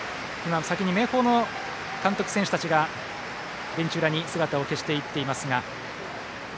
先に明豊の監督、選手たちがベンチ裏に姿を消していっています。